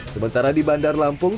sementara di bandar lampung